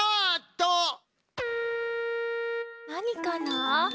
なにかな？